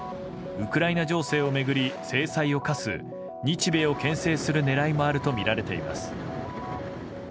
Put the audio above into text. ウクライナ情勢を巡り制裁を科す日米を牽制する狙いもあるとみられています。